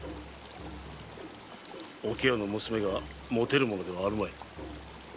桶屋の娘が持てるものではあるまい。